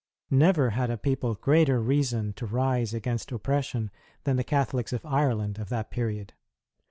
Never had a people greater reason to rise against oppression than the Catholics of Ireland of that period.